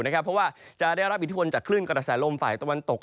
เพราะว่าจะได้รับอิทธิพลจากคลื่นกระแสลมฝ่ายตะวันตก